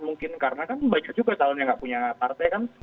mungkin karena kan banyak juga calon yang nggak punya partai kan